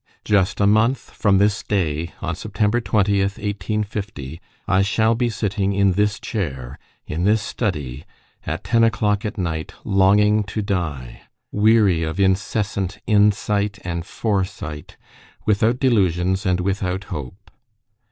Just a month from this day, on September 20, 1850, I shall be sitting in this chair, in this study, at ten o'clock at night, longing to die, weary of incessant insight and foresight, without delusions and without hope.